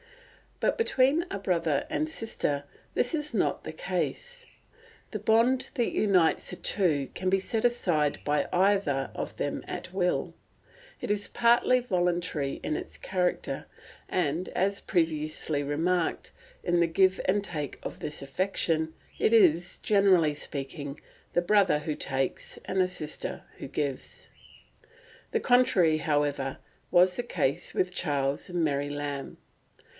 But between a brother and sister this is not the case. The bond that unites the two can be set aside by either of them at will. It is partly voluntary in its character, and, as previously remarked, in the give and take of this affection, it is, speaking generally, the brother who takes and the sister who gives. The contrary, however, was the case with Charles and Mary Lamb.